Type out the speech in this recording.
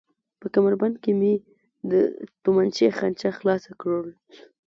په کمربند کې مې د تومانچې خانچه خلاصه کړل.